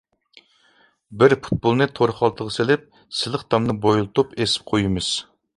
بىر پۇتبولنى تور خالتىغا سېلىپ سىلىق تامنى بويلىتىپ ئېسىپ قويىمىز.